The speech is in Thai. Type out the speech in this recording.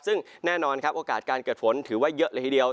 ซึ่งแน่นอนครับโอกาสการเกิดฝนถือว่าเยอะเลยทีเดียว